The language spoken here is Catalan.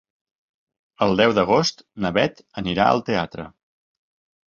El deu d'agost na Bet anirà al teatre.